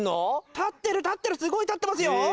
立ってる立ってるすごい立ってますよ。